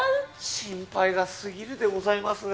心配がすぎるでございます。